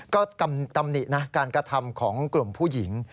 ก็ตำหนินะการกระทำของกลุ่มผู้หญิง